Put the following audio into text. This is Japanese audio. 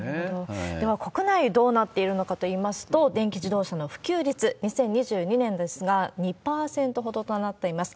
では国内、どうなっているのかといいますと、電気自動車の普及率、２０２２年ですが、２％ほどとなっています。